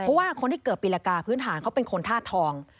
เพราะว่าคนที่เกิดปีละกาพื้นฐานเขาเป็นคนธาตุทอง